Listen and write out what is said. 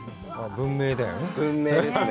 文明だよね。